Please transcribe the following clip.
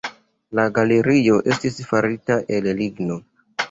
La galerio estis farita el ligno.